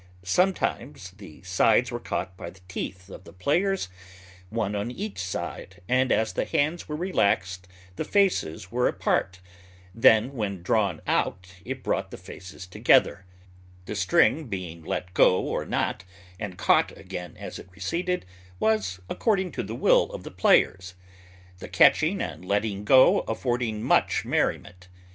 Sometimes the sides were caught by the teeth of the players, one on each side, and as the hands were relaxed the faces were apart, then when drawn out it brought the faces together; the string being let go or not, and caught again as it receded, was according to the will of the players, the catching and letting go affording much merriment.